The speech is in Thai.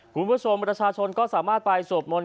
คุณผู้ชมประชาชนก็สามารถไปสวดมนต์